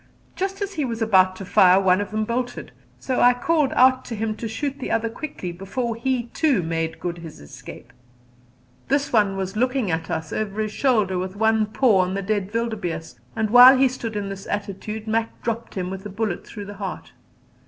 Just as he was about to fire one of them bolted, so I called out to him to shoot the other quickly before he too made good his escape. This one was looking at us over his shoulder with one paw on the dead wildebeeste, and while he stood in this attitude Mac dropped him with a bullet through the heart.